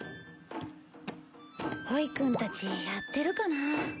ホイくんたちやってるかな？